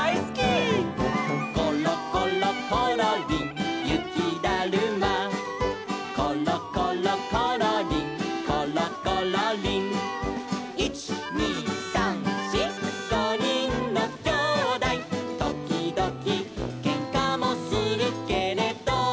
「ころころころりんゆきだるま」「ころころころりんころころりん」「いちにさんしごにんのきょうだい」「ときどきけんかもするけれど」